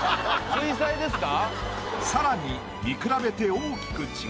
水彩ですか？